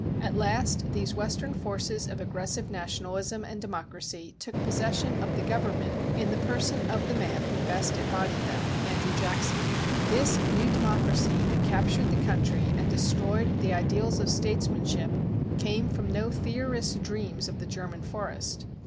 At last these Western forces of aggressive nationalism and democracy took possession of the government in the person of the man who best embodied them, Andrew Jackson. This new democracy that captured the country and destroyed the ideals of statesmanship came from no theorist's dreams of the German forest.